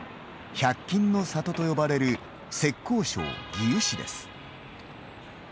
１００均の里と呼ばれる浙江省義烏市です。